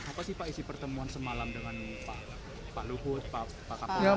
apa sih pak isi pertemuan semalam dengan pak luhut pak kapolri